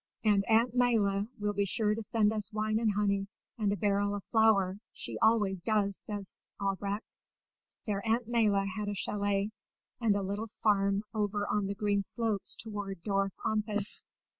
"And Aunt Maïla will be sure to send us wine and honey and a barrel of flour; she always does," said Albrecht. Their aunt Maïla had a châlet and a little farm over on the green slopes toward Dorf Ampas.